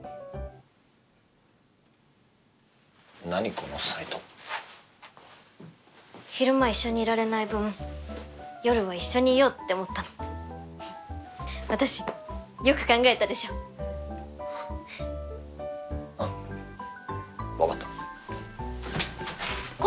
このサイト昼間一緒にいられない分夜は一緒にいようって思ったの私よく考えたでしょうん分かった煌！